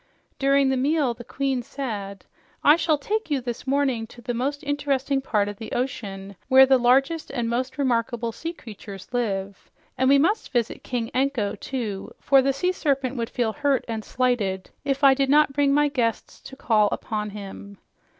During the meal the queen said, "I shall take you this morning to the most interesting part of the ocean, where the largest and most remarkable sea creatures live. And we must visit King Anko, too, for the sea serpent would feel hurt and slighted if I did not bring my guests to call upon him."